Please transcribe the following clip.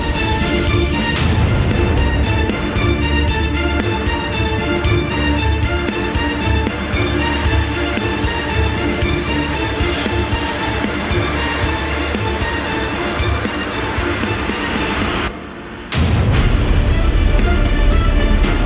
ลดไวรัสมากถึง๙๙ในสองชั่วโมง